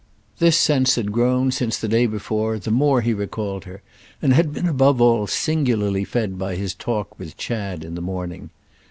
This sense had grown, since the day before, the more he recalled her, and had been above all singularly fed by his talk with Chad in the morning.